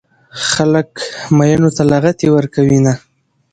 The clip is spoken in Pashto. خلک ميينو ته لغتې ورکوينه